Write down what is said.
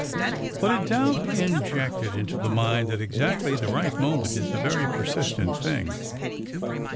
But a doubt injected into the mind at exactly the right moment is a very persistent thing.